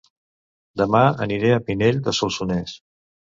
Dema aniré a Pinell de Solsonès